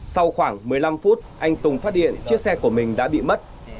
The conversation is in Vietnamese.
sau khoảng một mươi năm phút anh tùng phát điện chiếc xe của mình đã bị mất